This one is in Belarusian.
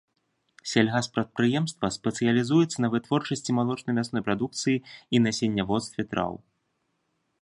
Сельгаспрадпрыемства спецыялізуецца на вытворчасці малочна-мясной прадукцыі і насенняводстве траў.